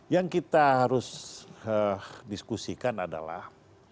yang kita harus diskusikan adalah